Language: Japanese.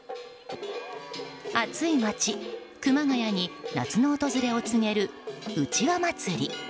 暑い街・熊谷に夏の訪れを告げるうちわ祭。